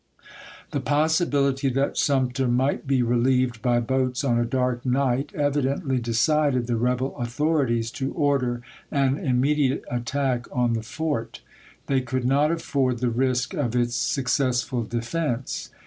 The possibility that Sumter might be relieved by boats on a dark night evidently decided the rebel authorities to order an immediate attack on the fort.^ They could not afford the risk of its success ful defense.